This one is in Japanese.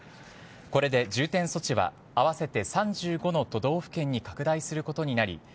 これで重点措置は合わせて３５の都道府県に拡大することになり